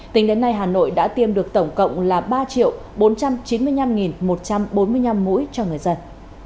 tính đến nay hà nội đã tiêm được tổng cộng là ba bốn trăm chín mươi năm một trăm bốn mươi năm mũi cho người dân